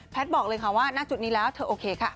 บอกเลยค่ะว่าณจุดนี้แล้วเธอโอเคค่ะ